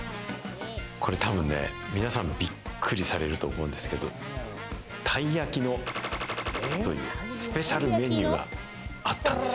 これ多分ね、皆さんびっくりされると思うんですけど、たい焼きのというスペシャルメニューがあったんです。